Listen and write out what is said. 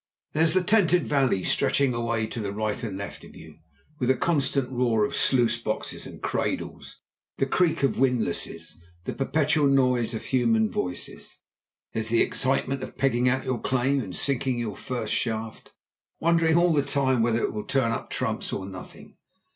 "There's the tented valley stretching away to right and left of you, with the constant roar of sluice boxes and cradles, the creak of windlasses, and the perpetual noise of human voices. There's the excitement of pegging out your claim and sinking your first shaft, wondering all the time whether it will turn up trumps or nothing.